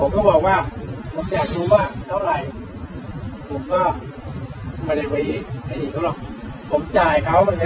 ก๋อหาเจจะขอบรรยากว่ามีนี้เท่าไหร่